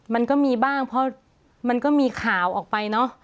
มันก็มีบ้างเพราะมันก็มีข่าวออกไปเนอะ